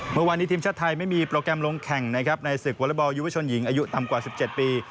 เมื่อวานนี้ทีมชาติไทยไม่มีโปรแกรมลงแข่งนะครับในศึกวอเล็กบอลยุวชนหญิงอายุต่ำกว่า๑๗ปี